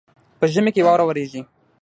په ژمي کي واوره وريږي.